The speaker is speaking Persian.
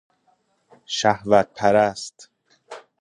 شهوت پرست